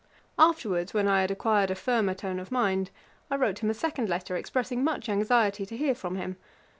Afterwards, when I had acquired a firmer tone of mind, I wrote him a second letter, expressing much anxiety to hear from him.